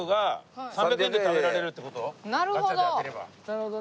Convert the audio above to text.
なるほど！